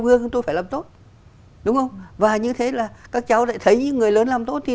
gương chúng tôi phải làm tốt đúng không và như thế là các cháu lại thấy người lớn làm tốt thì